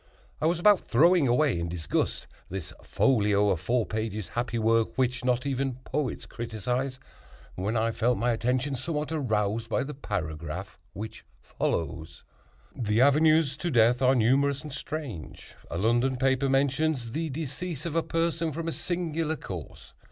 I was about throwing away, in disgust, "This folio of four pages, happy work Which not even critics criticise," when I felt my attention somewhat aroused by the paragraph which follows: "The avenues to death are numerous and strange. A London paper mentions the decease of a person from a singular cause.